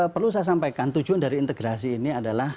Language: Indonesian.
perlu saya sampaikan tujuan dari integrasi ini adalah